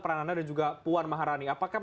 prananda dan juga puan maharani apakah